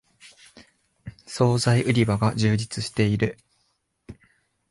そうざい売り場が充実している